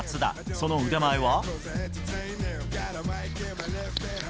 その腕前は。